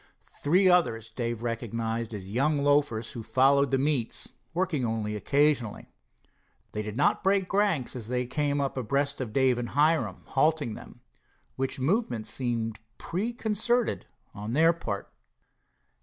Three others Dave recognized as young loafers who followed the meets, working only occasionally. They did not break ranks as they came up abreast of Dave and Hiram, halting them, which movement seemed preconcerted on their part.